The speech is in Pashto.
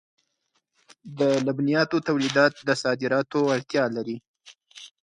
د لبنیاتو تولیدات د صادراتو وړتیا لري.